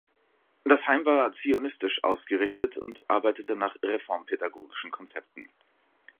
Das Heim war zionistisch ausgerichtet und arbeitete nach reformpädagogischen Konzepten.